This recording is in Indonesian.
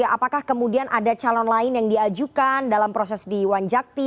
apakah kemudian ada calon lain yang diajukan dalam proses di wanjakti